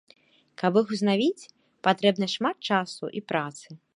Каб іх узнавіць, патрэбна шмат часу і працы.